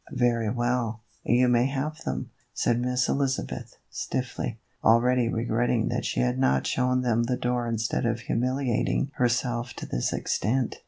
"Very well, you may have them," said Miss Elizabeth, stiffly, already regretting that she had not shown them the door instead of humiliating herself to this extent.